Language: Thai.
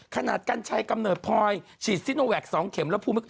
ขนาดกันชัยกำเนิดพลอยฉีดซิโนแว็กซ์๒เข็มแล้วพูดมึง